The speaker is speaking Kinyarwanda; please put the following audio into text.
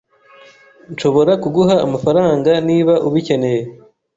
Nshobora kuguha amafaranga niba ubikeneye.